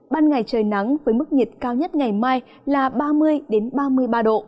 ban ngày trời nắng với mức nhiệt cao nhất ngày mai là ba mươi ba mươi ba độ